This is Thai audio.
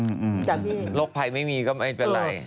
โรคภัยไม่มีก็ไม่เป็นไร